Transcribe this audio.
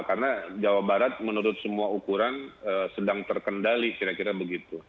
karena jawa barat menurut semua ukuran sedang terkendali kira kira begitu